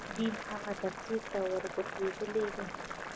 دین هغه تفسیر ته ورګرځېدل دي.